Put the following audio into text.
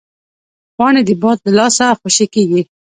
پاڼې د باد له لاسه خوشې کېږي